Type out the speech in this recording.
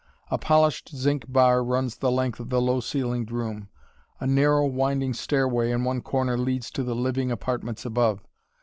A polished zinc bar runs the length of the low ceilinged room; a narrow, winding stairway in one corner leads to the living apartments above.